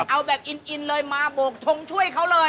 เอาแบบอินเลยมาโบกทงช่วยเขาเลย